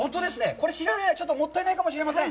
これ知らないと、もったいないかもしれません。